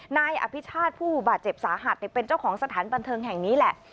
นายอภิชาติผู้บาดเจ็บสาหัสเป็นเจ้าของสถานบันเทิงแห่งนี้แหละ